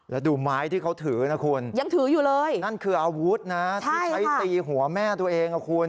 แล้วดูไม้ที่เขาถือคุณนั่นคืออาวุธแท้ที่ตีหัวแม่ตัวเองค่ะคุณ